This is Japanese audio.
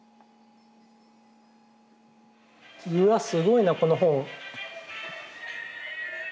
うわっすごいなこの本。